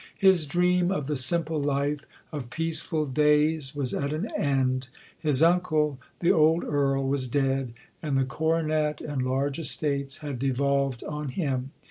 His dream of the simple life, of peaceful days, was at an end. His uncle, the old Earl, was dead, and the coronet and large estates had devolved on him.